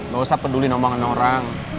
gak usah peduli nombongan orang